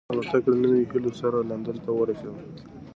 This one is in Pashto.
الوتکه د نویو هیلو سره لندن ته ورسېده.